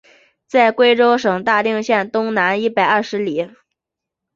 在贵州省大定县东南一百二十里。